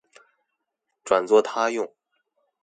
轉作他用